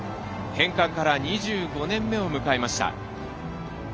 返還から２５年目を迎えました。